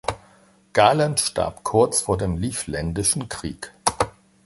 Galen starb kurz vor dem Livländischen Krieg.